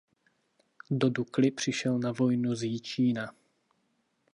Do Dukly přišel na vojnu z Jičína.